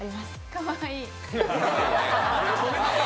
かわいい！